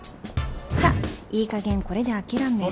さっいいかげんこれで諦め